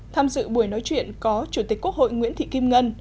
tham dự buổi nói chuyện có chủ tịch quốc hội nguyễn thị kim ngân